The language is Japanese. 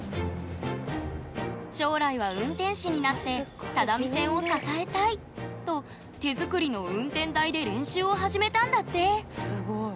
将来は運転士になって只見線を支えたい！と手作りの運転台で練習を始めたんだって！